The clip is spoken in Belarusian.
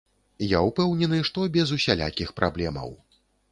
Я ўпэўнены, што без усялякіх праблемаў.